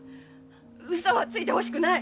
うそはついてほしくない！